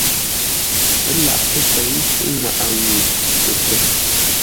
Pə́ laghʼ pə́ pěi nŋwáʼa ŋuu səkwə̂r.